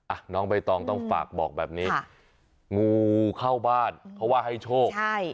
อ่ะน้องใบตองต้องฝากบอกแบบนี้งูเข้าบ้านเพราะว่าให้โชคใช่